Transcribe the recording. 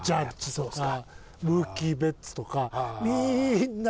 そうですか！